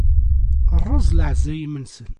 Rreẓ leɛzayem-nsen.